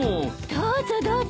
どうぞどうぞ。